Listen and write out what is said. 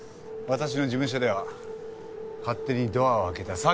私の事務所では勝手にドアを開けた。